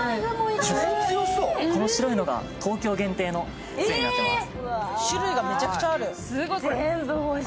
この白いのが東京限定の杖になっております。